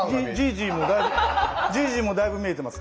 じいじもだいぶ見えてます。